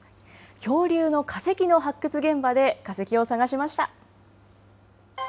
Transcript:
恐竜の化石の発掘現場で化石を探しました。